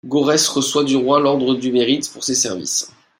Görres reçoit du roi l'ordre du mérite pour ses services.